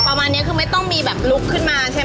ประมาณนี้คือไม่ต้องมีแบบลุกขึ้นมาใช่ไหม